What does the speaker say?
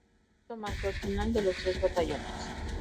Esto marcó el final de los tres batallones.